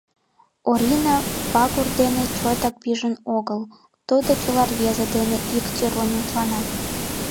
Орина Пагул дек чотак пижын огыл, тудо чыла рвезе дене ик тӱрлын мутлана.